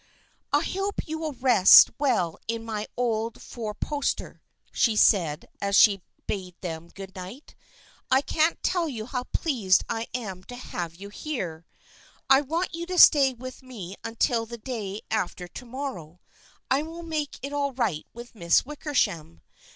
" I hope you will rest well in my old four poster," she said as she bade them good night. " 1 can't tell you how pleased I am to have you here. I want you to stay with me until day after to morrow. I will make it all right with Miss Wickersham.